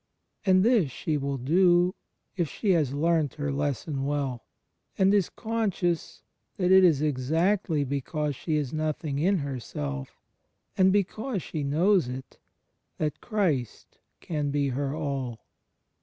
And this she will do, if she has learnt her lesson well, and is conscious that it is exactly because she is nothing in herself, and because she knows it, that Christ can be her all.